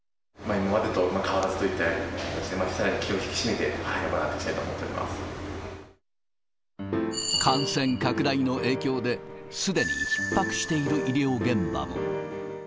今までと変わらず、さらに気を引き締めて、感染拡大の影響ですでにひっ迫している医療現場も。